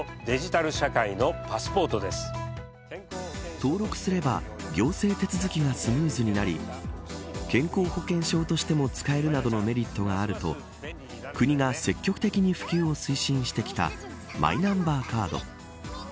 登録すれば行政手続きがスムーズになり健康保険証としても使えるなどのメリットがあると国が積極的に普及を推進してきたマイナンバーカード。